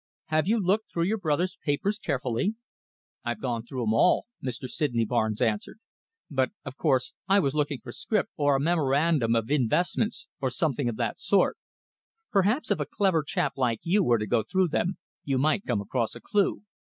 Have you looked through your brother's papers carefully?" "I've gone through 'em all," Mr. Sydney Barnes answered, "but, of course, I was looking for scrip or a memorandum of investments, or something of that sort. Perhaps if a clever chap like you were to go through them, you might come across a clue."